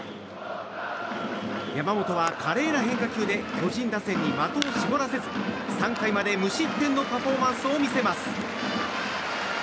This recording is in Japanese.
山本は華麗な変化球で巨人打線に的を絞らせず３回まで無失点のパフォーマンスを見せます。